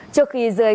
trước khi rời ra vụ án